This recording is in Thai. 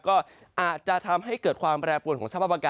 ก็อาจจะทำให้เกิดความแปรปวนของสภาพอากาศ